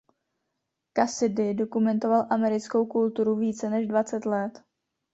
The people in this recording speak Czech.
Cassidy dokumentoval americkou kulturu více než dvacet let.